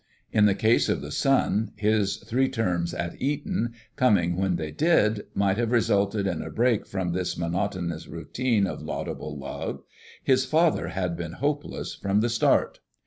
In the case of the son, his three terms at Eton, coming when they did, might have resulted in a break from this monotonous routine of laudable love; his father had been hopeless from the start.